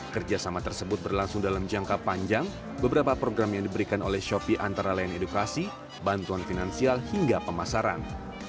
kerjasama tersebut berlangsung dalam jangka panjang beberapa program yang diberikan oleh shopee antara lain edukasi bantuan finansial hingga pemasaran